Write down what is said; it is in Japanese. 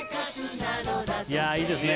いやいいですね